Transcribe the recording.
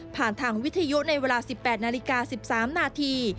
ผ่านทางวิทยุในเวลา๑๘นาฬิกา๑๓นาที